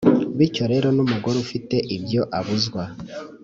bityo rero n’umugore ufite ibyo abuzwa